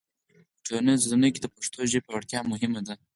په ټولنیزو رسنیو کې د پښتو ژبې پیاوړتیا مهمه ده.